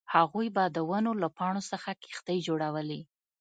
هغوی به د ونو له پاڼو څخه کښتۍ جوړولې